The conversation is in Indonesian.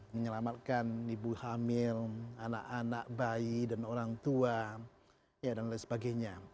menyelamatkan ibu hamil anak anak bayi dan orang tua dan lain sebagainya